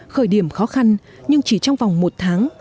khởi điểm khó khăn nhưng chỉ trong vòng một tháng